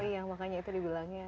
oh iya makanya itu dibilangnya